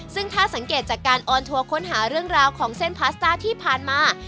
ซึ่งถ้าสังเกตจากการออนทัวร์ค้นหาเรื่องราวของเส้นพาสต้าที่ผ่านมา